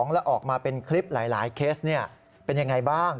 แล้วออกมาเป็นคลิปหลายเคสเป็นยังไงบ้าง